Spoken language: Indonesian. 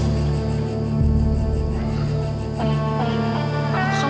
untuk ketemu sekolah